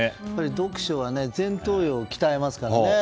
読書は前頭葉を鍛えますからね。